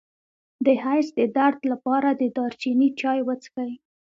د حیض د درد لپاره د دارچینی چای وڅښئ